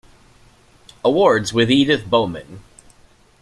Awards with Edith Bowman.